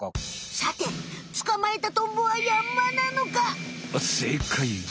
さてつかまえたトンボはヤンマなのか？